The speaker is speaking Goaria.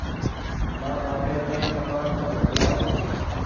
مآن ٻآپي ني ڪمآن تم کورآئو۔